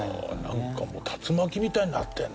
なんかもう竜巻みたいになってるね。